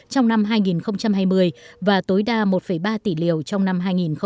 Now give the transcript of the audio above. trong năm hai nghìn hai mươi và tối đa một ba tỷ liều trong năm hai nghìn hai mươi